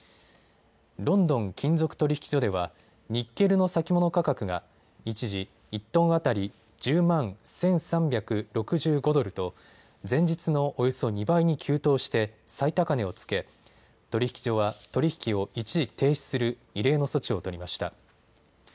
ロンドン金属取引所ではニッケルの先物価格が一時１トン当たり１０万１３６５ドルと前日のおよそ２倍に急騰して最高値をつけ取引所は取り引きを一時停止する異例の措置を取りました。